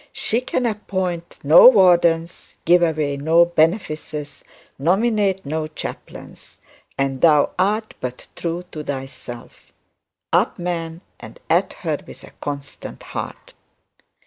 She can appoint no wardens, give away no benefices, nominate no chaplains, an' thou art but true to thyself. Up, man, and at her with a constant heart.